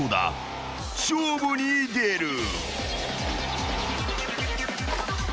［勝負に出る］